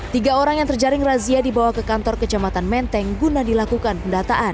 tiga orang yang terjaring razia dibawa ke kantor kejamatan menteng guna dilakukan pendataan